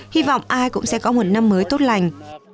hy vọng ai cũng sẽ có một năm mới tốt lành